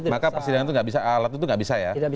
maka persidangan itu nggak bisa alat itu nggak bisa ya